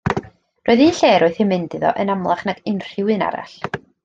Roedd un lle roedd hi'n mynd iddo yn amlach nag unrhyw un arall.